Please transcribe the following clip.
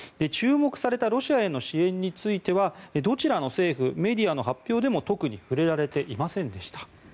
注目されたロシアへの支援についてはどちらの政府メディアの発表でも特に触れられていませんでした。